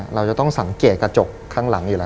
เราจะต้องสังเกตกระจกข้างหลังอยู่แล้ว